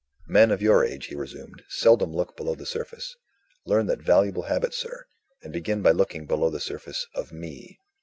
"Men of your age," he resumed, "seldom look below the surface. Learn that valuable habit, sir and begin by looking below the surface of Me."